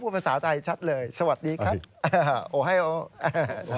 ภาษาไทยชัดเลยสวัสดีครับ